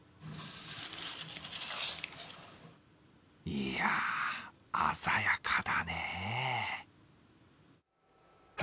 いや、鮮やかだね。